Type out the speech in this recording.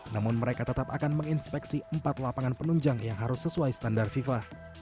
namun mereka tetap akan menginspeksi empat lapangan penunjang yang harus sesuai standar fifa